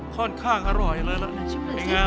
ค่อนข้างอร่อยเลยนะ